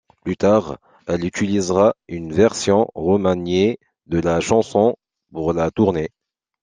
Plus tard, elle utilisera une version remaniée de la chanson pour la tournée.